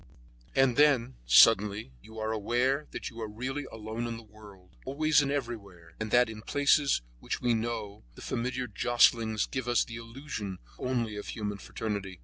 And then, suddenly, you are aware that you are really alone in the world, always and everywhere, and that in places which we know, the familiar jostlings give us the illusion only of human fraternity.